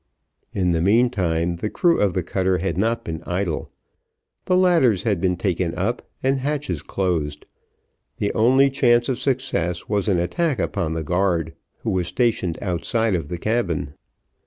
In the meantime, the crew of the cutter had not been idle; the ladders had been taken up and hatches closed. The only chance of success was an attack upon the guard, who was stationed outside of the cabin.